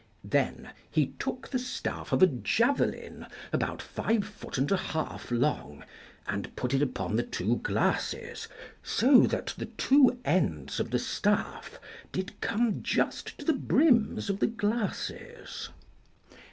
Then he took the staff of a javelin, about five foot and a half long, and put it upon the two glasses, so that the two ends of the staff did come just to the brims of the glasses.